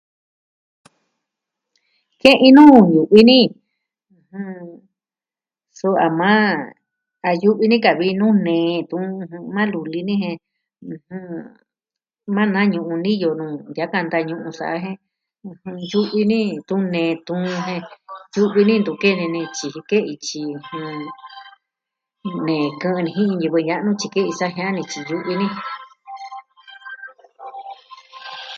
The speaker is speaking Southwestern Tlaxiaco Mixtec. ke'in nuu ñuu vi ni suu a maa nee a yu'vi kaa vi nuu nee tun maa luli ni jen... maa nañu'u niyo nuu, nita'an kanta ñuu sa jen, yu'vi ni tun nee tuun jen tuvi ni ntu kene ni tyiji kee ityi. Nee kɨ'ɨn ni jin ñivɨ ña'nu tyikei sa jiaan ni tyi yu'vi ni.